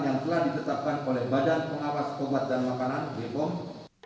yang telah ditetapkan oleh badan pengawas obat dan makanan bepom